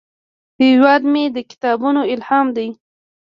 هیواد مې د کتابونو الهام دی